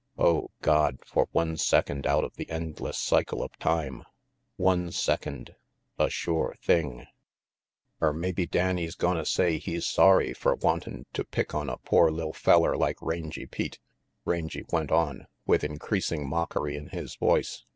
Oh, God, for one second out of the endless cycle of time one second a sure thing "Er mabbe Danny's gonna say he's sorry fer wantin' to pick on a pore li'l feller like Rangy Pete," Rangy went on, with increasing mockery in his voice.